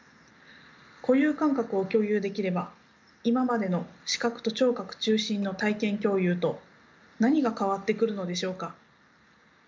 固有感覚を共有できれば今までの視覚と聴覚中心の体験共有と何が変わってくるのでしょうか。